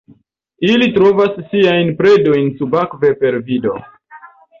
Ili trovas siajn predojn subakve per vido.